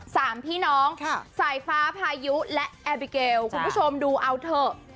สามพี่น้องค่ะสายฟ้าพายุและแอบิเกลคุณผู้ชมดูเอาเถอะ